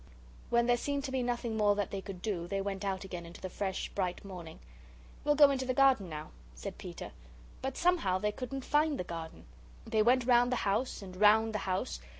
When there seemed to be nothing more that they could do, they went out again into the fresh bright morning. "We'll go into the garden now," said Peter. But somehow they couldn't find the garden. They went round the house and round the house.